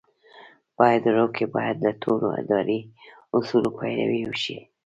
په ادارو کې باید له ټولو اداري اصولو پیروي وشي.